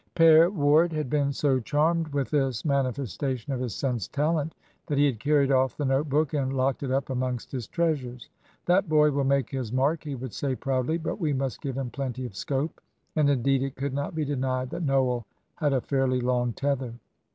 Père Ward had been so charmed with this manifestation of his son's talent that he had carried off the note book and locked it up amongst his treasures. "That boy will make his mark," he would say, proudly. "But we must give him plenty of scope." And, indeed, it could not be denied that Noel had a fairly long tether.